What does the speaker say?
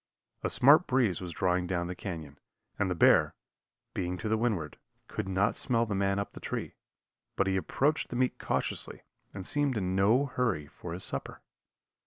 A smart breeze was drawing down the canyon, and the bear, being to the windward, could not smell the man up the tree, but he approached the meat cautiously and seemed in no hurry for his supper.